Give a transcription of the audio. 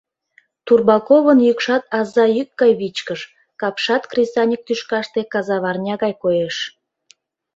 Турбаковын йӱкшат аза йӱк гай вичкыж, капшат кресаньык тӱшкаште казаварня гай коеш.